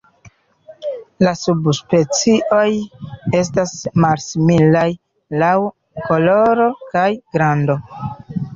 La subspecioj estas malsimilaj laŭ koloro kaj grando.